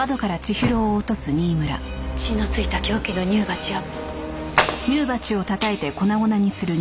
血のついた凶器の乳鉢は。